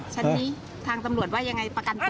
ชั้นนี้ทางตำรวจว่ายังไงประกันตัว